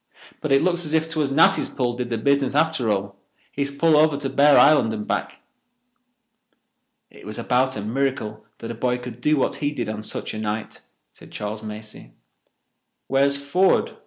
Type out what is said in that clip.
"But it looks as if 'twas Natty's pull did the business after all—his pull over to Bear Island and back." "It was about a miracle that a boy could do what he did on such a night," said Charles Macey. "Where's Ford?"